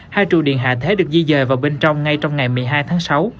hai trụ điện hạ thế được di dời vào bên trong ngay trong ngày một mươi hai tháng sáu